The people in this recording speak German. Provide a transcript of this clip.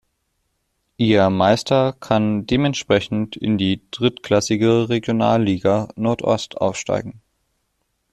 Ihr Meister kann dementsprechend in die drittklassige Regionalliga Nordost aufsteigen.